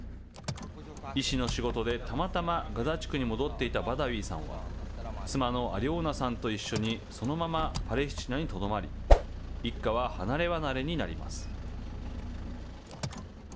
医師の仕事でたまたまガザ地区に戻っていたバダウィさんは妻のアリョーナさんと一緒にそのままパレスチナにとどまり一家は離れ離れになります。